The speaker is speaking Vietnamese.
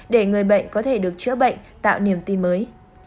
để người bệnh có thể được chữa bệnh tạo niềm tin mới